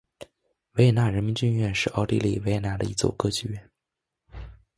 维也纳人民剧院是奥地利维也纳的一座歌剧院。